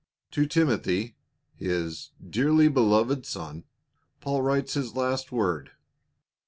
To Timothy, his " dearly beloved son," Paul writes his last word.